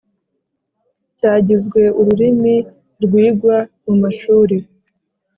cyagizwe ururimi rwigwa mu mashuri,